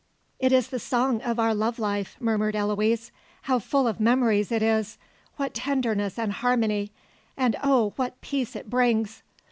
"It is the song of our love life," murmured Eloise. "How full of memories it is what tenderness and harmony and oh! what peace it brings!